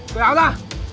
tựa áo ra